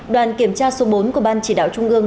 đoàn kiểm tra số bốn của ban chỉ đạo trung ương